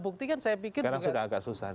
bukti kan saya pikir sekarang sudah agak susah